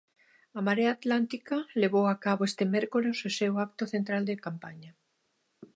A Marea Atlántica levou a cabo este mércores o seu acto central de campaña.